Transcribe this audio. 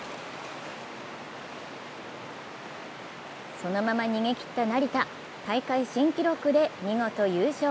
そのまま逃げ切った成田大会新記録で見事優勝。